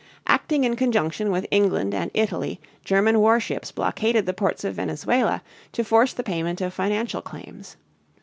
Acting in conjunction with England and Italy, German warships blockaded the ports of Venezuela to force the payment of financial claims.